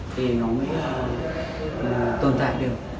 thì nó mới là tồn tại được